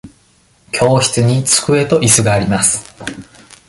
教室に机といすがあります。